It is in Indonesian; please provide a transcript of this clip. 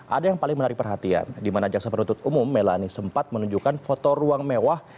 ada yang paling menarik perhatian di mana jaksa penuntut umum melani sempat menunjukkan foto ruang mewah